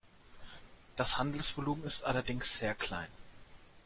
Das Handelsvolumen ist allerdings sehr klein.